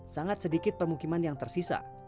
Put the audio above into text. sangat sedikit permukiman yang tersisa